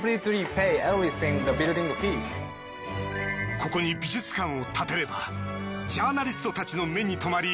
ここに美術館を建てればジャーナリストたちの目に留まり